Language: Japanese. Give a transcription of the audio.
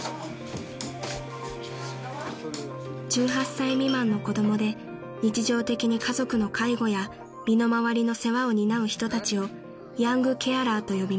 ［１８歳未満の子供で日常的に家族の介護や身の回りの世話を担う人たちをヤングケアラーと呼びます］